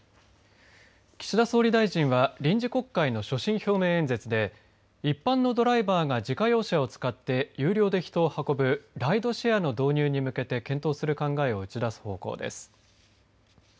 岸田総理大臣は臨時国会の所信表明演説で一般のドライバーが自家用車を使って有料で人を運ぶライドシェアの導入に向けて検討する考えを打ち出す方向です。